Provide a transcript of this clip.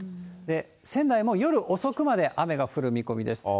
仙台も夜およそ遅くまで雨が降る見込みです。